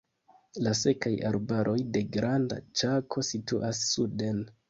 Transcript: La sekaj arbaroj de Granda Ĉako situas suden.